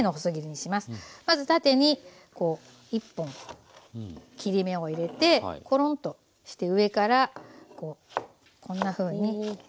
まず縦にこう１本切り目を入れてコロンとして上からこうこんなふうに斜めに切っていきます。